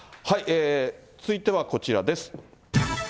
続いてはこちらです。